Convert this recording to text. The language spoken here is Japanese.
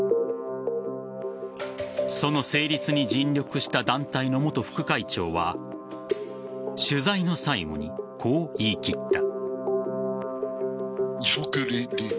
その成立に尽力した団体の元副会長は取材の最後に、こう言い切った。